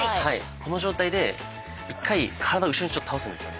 この状態で１回体を後ろに倒すんですよね。